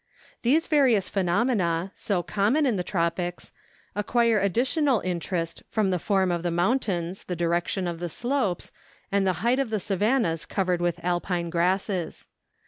These various phenomena, so common in the tropics, ac¬ quire additional interest from the form of the moun¬ tains, the direction of the slopes, and the height of the savannahs covered with Alpine grasses.